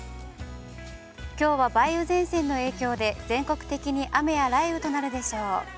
きょうは梅雨前線の影響で、全国的に雨や雷雨となるでしょう。